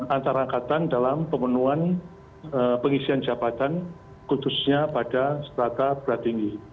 antara angkatan dalam pemenuhan pengisian jabatan khususnya pada seraga berat tinggi